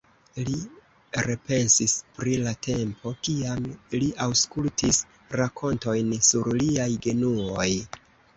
Li repensis pri la tempo, kiam li aŭskultis rakontojn sur liaj genuoj.